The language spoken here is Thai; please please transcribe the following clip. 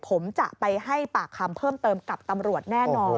ผมจะไปให้ปากคำเพิ่มเติมกับตำรวจแน่นอน